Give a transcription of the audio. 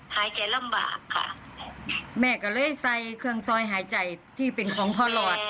แกลำบากค่ะแม่ก็เลยใส่เครื่องซอยหายใจที่เป็นของพ่อหลอด